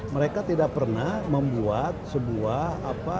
mereka tidak pernah membuat sebuah apa